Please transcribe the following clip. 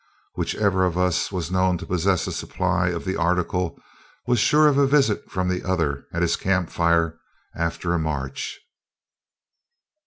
Whichever of us was known to possess a supply of the article was sure of a visit from the other at his camp fire after a march.